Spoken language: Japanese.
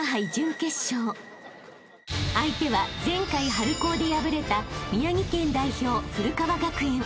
［相手は前回春高で敗れた宮城県代表古川学園］